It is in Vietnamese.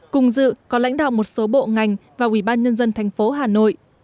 cùng dự có lãnh đạo một số bộ ngành và ubnd tp hà nội